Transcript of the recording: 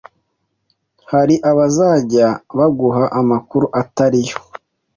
Hari abazajya baguha amakuru atari yo,